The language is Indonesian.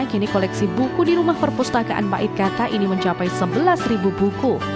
kini koleksi buku di rumah perpustakaan pait kata ini mencapai sebelas buku